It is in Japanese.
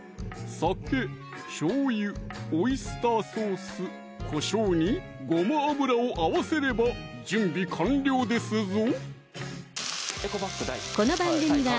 酒・しょうゆ・オイスターソース・こしょうにごま油を合わせれば準備完了ですぞ